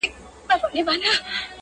کار و بار وي د غزلو کښت و کار وي د غزلو,